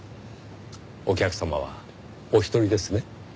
お客様はお一人ですね？